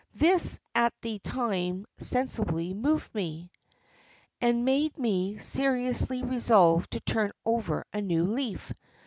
This at the time sensibly moved me, and made me seriously resolve to turn over a new leaf.